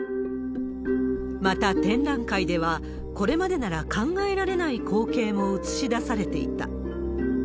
また、展覧会では、これまでなら考えられない光景も映し出されていた。